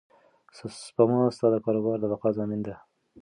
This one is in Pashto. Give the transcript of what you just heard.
سپما ستا د کاروبار د بقا ضامن ده.